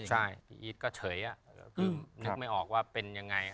ใช่พี่อีทก็เฉย